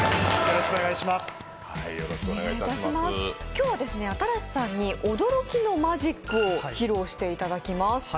今日は新子さんにオススメのマジックを披露していただきます。